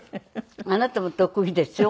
あなたも得意でしょ？